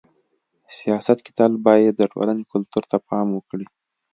سیاست کي تل باید د ټولني کلتور ته پام وکړي.